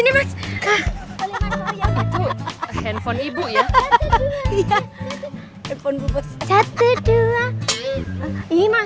itu handphone ibu ya